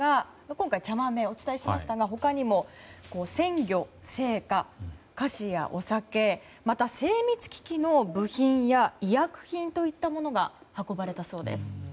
今回は、茶豆をお伝えしましたが他にも鮮魚、青果、菓子やお酒また、精密機器の部品や医薬品といったものが運ばれたそうです。